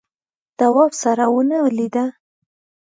تواب سره ونه ولیده.